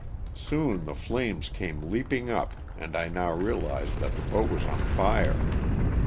Soon the flames came leaping up and I now realized that the boat was on fire.